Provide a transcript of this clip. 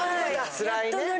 つらいね。